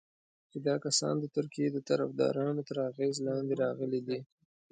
چې دا کسان د ترکیې د طرفدارانو تر اغېز لاندې راغلي دي.